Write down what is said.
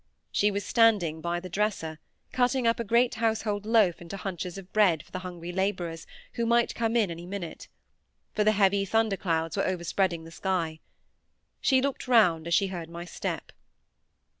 She was standing by the dresser, cutting up a great household loaf into hunches of bread for the hungry labourers who might come in any minute, for the heavy thunder clouds were overspreading the sky. She looked round as she heard my step.